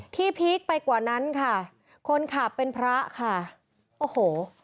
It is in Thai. พีคไปกว่านั้นค่ะคนขับเป็นพระค่ะโอ้โห